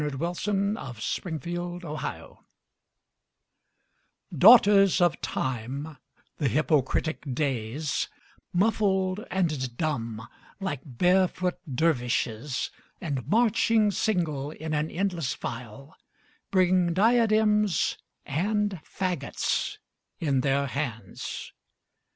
Ralph Waldo Emerson Days DAUGHTERS of Time, the hypocritic Days, Muffled and dumb like barefoot dervishes, And marching single in an endless file, Bring diadems and faggots in their hands.